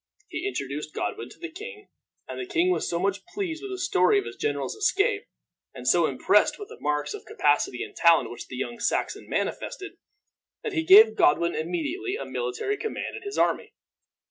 He introduced Godwin to the king, and the king was so much pleased with the story of his general's escape, and so impressed with the marks of capacity and talent which the young Saxon manifested, that he gave Godwin immediately a military command in his army.